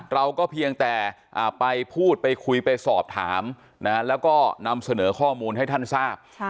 เราก็เพียงแต่ไปพูดไปคุยไปสอบถามแล้วก็นำเสนอข้อมูลให้ท่านทราบ